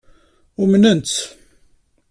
Umnen-tt.